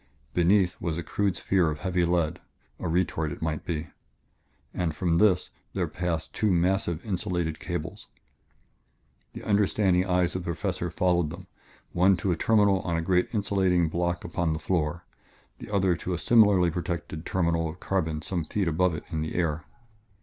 Beneath was a crude sphere of heavy lead a retort, it might be and from this there passed two massive, insulated cables. The understanding eyes of the Professor followed them, one to a terminal on a great insulating block upon the floor, the other to a similarly protected terminal of carbon some feet above it in the air.